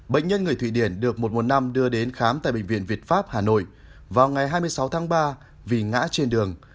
bệnh nhân người thụy điển được một mùa năm đưa đến khám tại bệnh viện việt pháp hà nội vào ngày hai mươi sáu tháng ba vì ngã trên đường